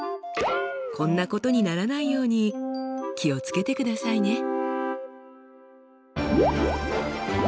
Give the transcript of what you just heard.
こんなことにならないように気を付けてくださいね！